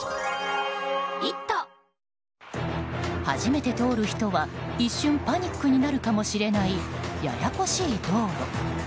初めて通る人は一瞬パニックになるかもしれないややこしい道路。